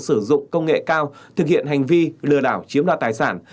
sử dụng công nghệ cao thực hiện hành vi lừa đảo chiếm đoạt tài sản